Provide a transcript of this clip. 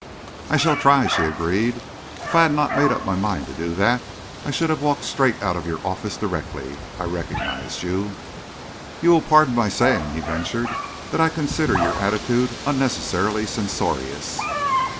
"I shall try," she agreed. "If I had not made up my mind to do that, I should have walked straight out of your office directly I recognised you." "You will pardon my saying," he ventured, "that I consider your attitude unnecessarily censorious."